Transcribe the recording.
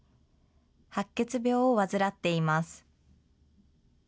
白血病を患っています。